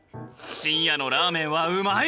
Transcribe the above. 深夜のラーメンはうまい！